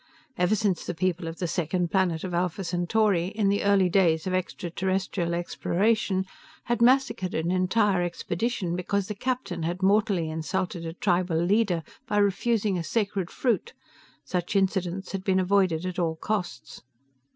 Ever since the people of the second planet of Alpha Centauri, in the early days of extraterrestrial exploration, had massacred an entire expedition because the captain had mortally insulted a tribal leader by refusing a sacred fruit, such incidents had been avoided at all costs.